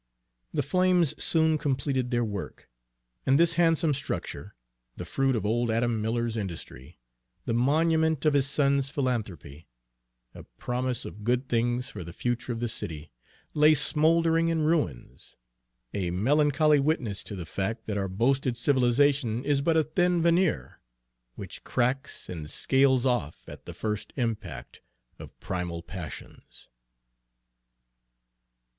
The flames soon completed their work, and this handsome structure, the fruit of old Adam Miller's industry, the monument of his son's philanthropy, a promise of good things for the future of the city, lay smouldering in ruins, a melancholy witness to the fact that our boasted civilization is but a thin veneer, which cracks and scales off at the first impact of primal passions.